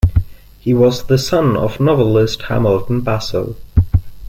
He was the son of novelist Hamilton Basso.